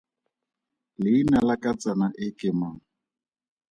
Leina la katsana e ke mang?